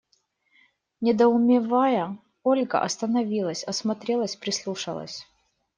Недоумевая, Ольга остановилась, осмотрелась, прислушалась.